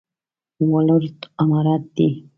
ولورت عمارت دی؟